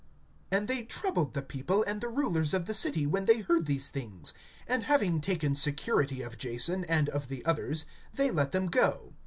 (8)And they troubled the people and the rulers of the city, when they heard these things. (9)And having taken security of Jason, and of the others, they let them go.